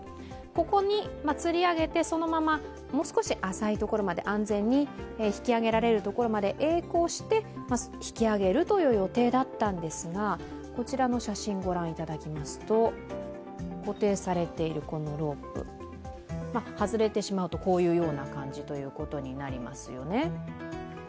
ここにつり上げて、そのままもう少し浅いところまで安全に引き揚げられるところまでえい航して、引き揚げるという予定だったんですが、固定されているこのロープ、外れてしまうとこういうような感じということになりますよね。